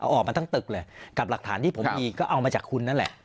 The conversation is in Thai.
เอาออกมาทั้งตึกเลยกับหลักฐานที่ผมมีก็เอามาจากคุณนั่นแหละ